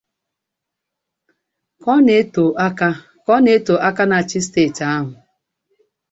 Ka ọ na-etò aka na-achị steeti ahụ